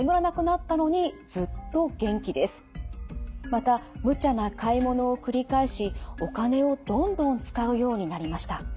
またむちゃな買い物を繰り返しお金をどんどん使うようになりました。